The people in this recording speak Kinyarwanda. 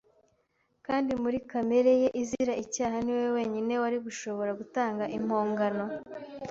kandi muri kamere ye izira icyaha ni we wenyine wari gushobora gutanga impongano